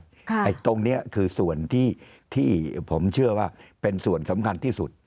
ตรงนี้คือส่วนที่ผมเชื่อว่าเป็นส่วนสำคัญที่สุด